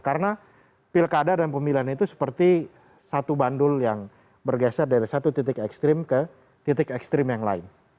karena pilkada dan pemilihan itu seperti satu bandul yang bergeser dari satu titik ekstrim ke titik ekstrim yang lain